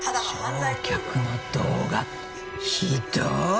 乗客の動画ひどい！